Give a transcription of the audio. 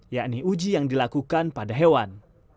yakni uji yang dilakukan pada hewan